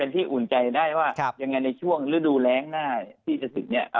ที่อุ่นใจได้ว่ายังไงในช่วงฤดูแรงหน้าที่จะถึงเนี่ย